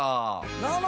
どうも！